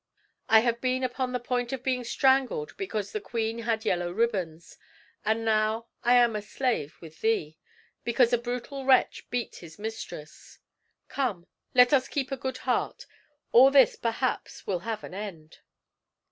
I have been upon the point of being strangled because the queen had yellow ribbons; and now I am a slave with thee, because a brutal wretch beat his mistress. Come, let us keep a good heart; all this perhaps will have an end.